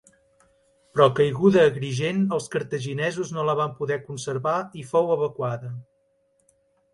Però caiguda Agrigent els cartaginesos no la van poder conservar i fou evacuada.